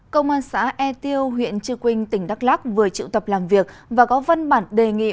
công an xã e tiêu huyện trư quynh tỉnh đắk lắc vừa triệu tập làm việc và có văn bản đề nghị